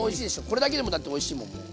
これだけでもだっておいしいもんもう。